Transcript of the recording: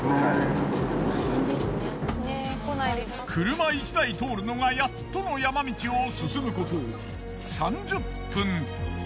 車１台通るのがやっとの山道を進むこと３０分。